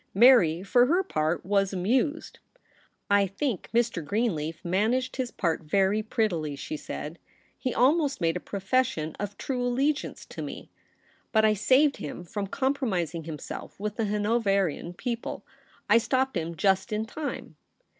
Mary, for her part, was amused. ' I think Mr. Greenleaf managed his part very prettily,' she said; 'he almost made a profession of true allegiance to me. But I 8o THE REBEL ROSE. saved him from compromising himself with the Hanoverian people. I stopped him just in time.'